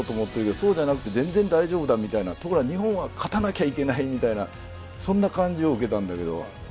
そうじゃなくて全然大丈夫だというところは日本は勝たなくてはいけないみたいな感じを受けたんだけど。